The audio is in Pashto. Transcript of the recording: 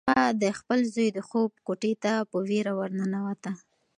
هغه د خپل زوی د خوب کوټې ته په وېره ورننوته.